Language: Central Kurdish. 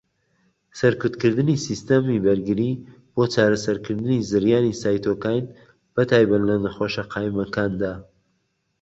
سەرکوتکردنی سیستەمی بەرگری بۆ چارەسەرکردنی زریانی سایتۆکاین، بەتایبەت لە نەخۆشه قایمەکاندا.